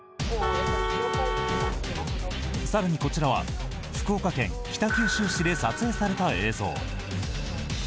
更にこちらは、福岡県北九州市で撮影された映像。